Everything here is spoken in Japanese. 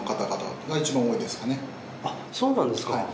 そうなんですか。